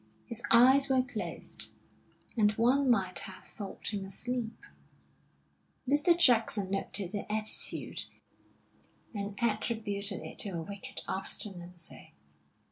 His eyes were closed, and one might have thought him asleep. Mr. Jackson noted the attitude, and attributed it to a wicked obstinacy.